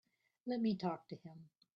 Let me talk to him.